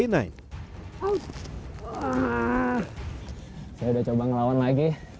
saya sudah coba melawan lagi